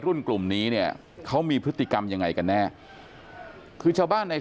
รุ่นกลุ่มนี้เนี่ยเขามีพฤติกรรมยังไงกันแน่คือชาวบ้านใน